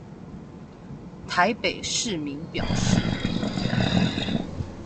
台北市民表示